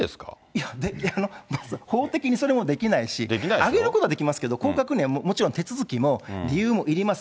いや、まず法的にそれもできないし、上げることはできますけど、降格にはもちろん手続きも理由もいります。